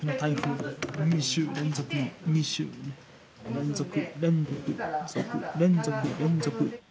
連続連続連続連続。